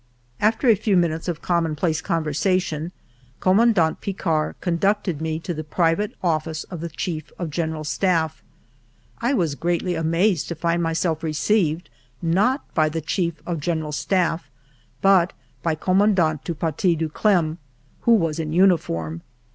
After a few minutes of commonplace conversation Command ant Picquart conducted me to the private office of the Chief of General Staffi I was greatly amazed to find myself received, not by the Chief of Gen eral Staff, but by Commandant du Paty de Clam, who was in uniform.